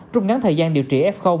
trung ngắn thời gian điều trị f